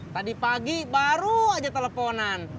tadi pagi baru aja teleponan